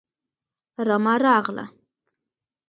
رمه راغله